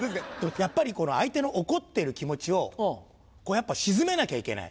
やっぱり相手の怒っている気持ちをやっぱ静めなきゃいけない。